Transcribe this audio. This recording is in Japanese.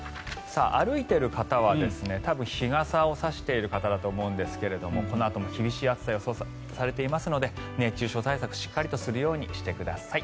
歩いている方は多分、日傘を差している方だと思うんですがこのあとも厳しい暑さが予想されていますので熱中症対策、しっかりとするようにしてください。